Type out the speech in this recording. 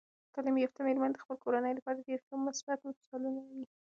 تعلیم یافته میرمنې د خپلو کورنیو لپاره ډیر مثبت مثالونه وي.